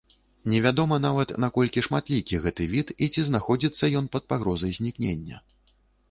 Невядома нават, наколькі шматлікі гэты від, і ці знаходзіцца ён пад пагрозай знікнення.